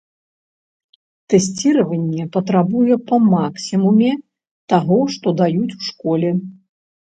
Тэсціраванне патрабуе па максімуме таго, што даюць у школе.